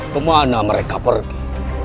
kemana mereka pergi